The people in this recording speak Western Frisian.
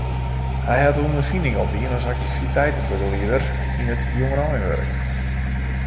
Hy hat ûnderfining opdien as aktiviteitebegelieder yn it jongereinwurk.